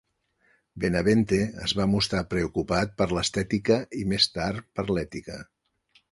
Benavente es va mostrar preocupat per l'estètica i més tard per l'ètica.